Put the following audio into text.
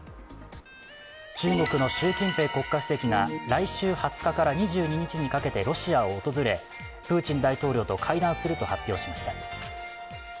中国の習近平国家主席が来週２０日から２２日にかけてロシアを訪れプーチン大統領と会談すると発表しました。